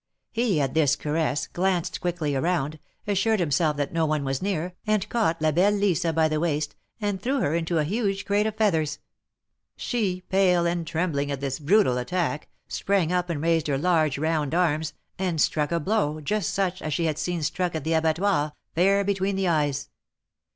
He, at this caress, glanced quickly around, assured himself that no one was near, and caught La belle Lisa by the waist, and threw her into a huge crate of feathers. She, pale and trembling at this brutal attack, sprang up and raised her large, round arms, and struck a blow, just such as she had seen struck at the abattoirs, fair between the eyes.